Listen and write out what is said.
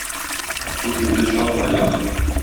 Күк йөзе чалт аяз.